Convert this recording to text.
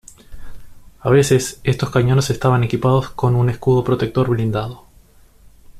A veces, estos cañones estaban equipados con un escudo protector blindado.